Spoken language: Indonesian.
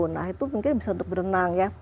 nah itu mungkin bisa untuk berenang ya